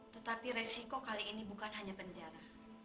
tetapi resiko kali ini bukan hanya penjara